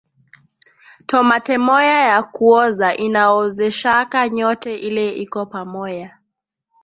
Tomate moya ya kuoza inaozeshaka nyote ile iko pamoya